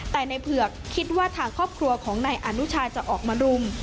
แต่ในเผือกคิดว่าทางครอบครัวของนายอนุชาจะออกมารุม